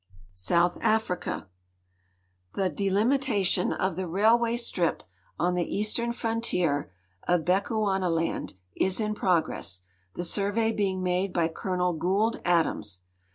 South Africa. Tlie delimitation of the railway stri^i on tlie eastern frontier of Bechuanaland is in progress, the survey being made by Colonel Goold Adams.